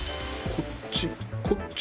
こっち？